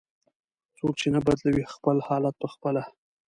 "څوک چې نه بدلوي خپل حالت په خپله".